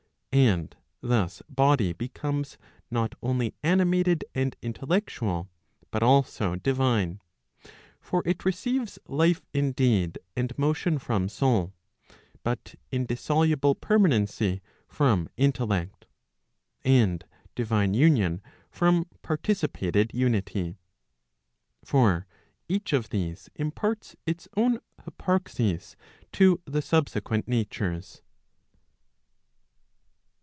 And thus body becomes not only animated and intellectual, but also divine. For it receives life indeed and motion from soul; but indissoluble permanency from intellect; and divine union from participated unity. 1 For each of these imparts its own hyparxis to the subsequent natures.